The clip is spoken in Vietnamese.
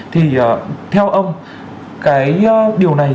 thì theo ông cái điều này